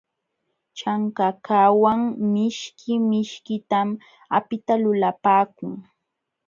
Chankakawan mishki mishkitam apita lulapaakun.